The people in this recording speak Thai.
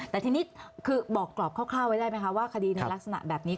แต่ทีนี้คือบอกกรอบคร่าวไว้ได้ไหมคะว่าคดีในลักษณะแบบนี้